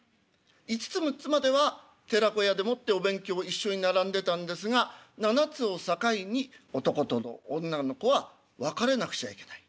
５つ６つまでは寺子屋でもってお勉強一緒に並んでたんですが７つを境に男の子女の子は分かれなくちゃいけない。